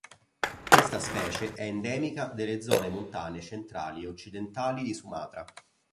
Questa specie è endemica delle zone montane centrali e occidentali di Sumatra.